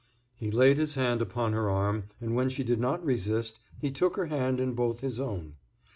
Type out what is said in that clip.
He laid his hand upon her arm, and when she did not resist, he took her hand in both his own.